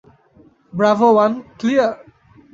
Bravo one, clear.